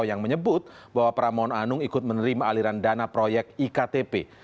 yang menyebut bahwa pramono anung ikut menerima aliran dana proyek iktp